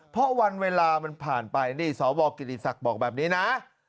เพราะวันเวลามันผ่านไปนี่สวกิติศักดิ์บอกแบบนี้นะ